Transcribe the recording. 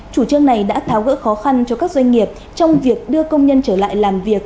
chủ trương này đã tháo gỡ khó khăn cho các doanh nghiệp trong việc đưa công nhân trở lại làm việc